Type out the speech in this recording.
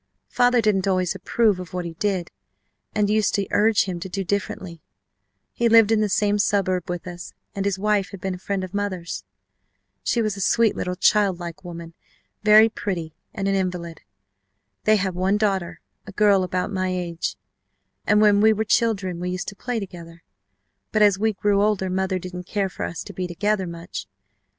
Father didn't always approve of what he did and used to urge him to do differently. He lived in the same suburb with us, and his wife had been a friend of mother's. She was a sweet little child like woman, very pretty, and an invalid. They had one daughter, a girl about my age, and when we were children we used to play together, but as we grew older mother didn't care for us to be together much.